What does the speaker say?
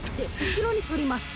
後ろに反ります。